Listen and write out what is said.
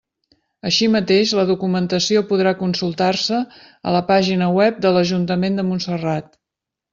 Així mateix, la documentació podrà consultar-se a la pàgina web de l'Ajuntament de Montserrat.